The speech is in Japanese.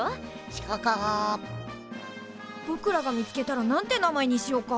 ぼくらが見つけたら何て名前にしようか？